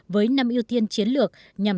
với năm ưu tiên chiến lược